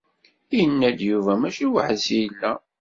Inna-d Yuba mačči weḥd-s i yella.